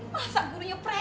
masa gurunya preman